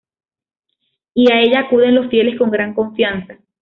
Y a ella acuden los fieles con gran confianza.